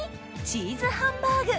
チーズハンバーグ。